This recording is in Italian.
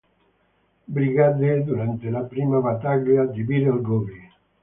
Brigade" durante la prima battaglia di Bir el Gobi.